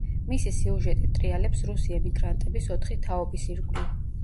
მისი სიუჟეტი ტრიალებს რუსი ემიგრანტების ოთხი თაობის ირგვლივ.